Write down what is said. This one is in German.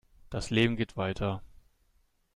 Das Leben geht weiter.